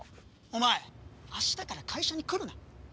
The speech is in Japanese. お前明日から会社に来るな。